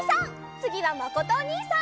つぎはまことおにいさん！